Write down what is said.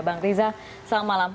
bang riza selamat malam